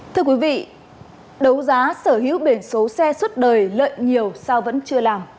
thưa quý vị đấu giá sở hữu biển số xe suốt đời lợi nhiều sao vẫn chưa làm